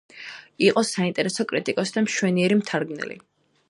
იყო საინტერესო კრიტიკოსი და მშვენიერი მთარგმნელი.